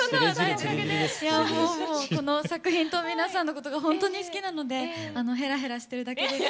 この作品と皆さんのことがほんとに好きなのでへらへらしてるだけです。